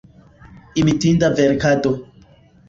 Imitinda verkado.